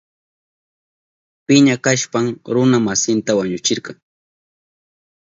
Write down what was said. Piña kashpan runa masinta wañuchirka.